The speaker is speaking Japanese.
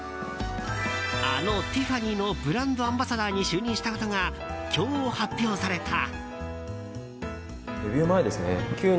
あのティファニーのブランドアンバサダーに就任したことが今日発表された。